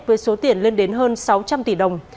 với số tiền lên đến hơn sáu trăm linh tỷ đồng